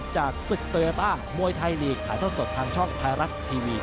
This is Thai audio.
จากศึกโตโยต้ามวยไทยลีกถ่ายทอดสดทางช่องไทยรัฐทีวี